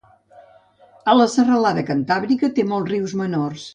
A la serralada cantàbrica té molts rius menors.